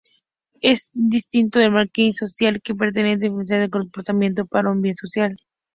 Es distinto del marketing social, que pretende influenciar el comportamiento para un bien social.